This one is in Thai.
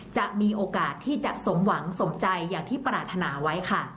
จะมีโอกาสที่จะสมหวังสมใจอย่างที่ปรารถนาไว้ค่ะ